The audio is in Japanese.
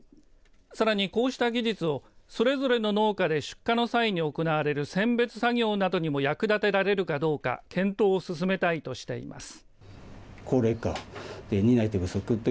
さらに、こうした技術をそれぞれの農家で出荷の際に行われる選別作業にも役立てられるかどうか検討を進めたいとしています。